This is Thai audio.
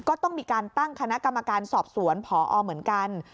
ก็ต้องมีการตั้งคณะกรรมการสอบสวนพอเหมือนกัน